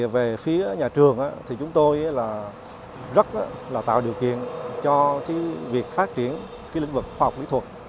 về phía nhà trường chúng tôi rất tạo điều kiện cho việc phát triển lĩnh vực học lý thuật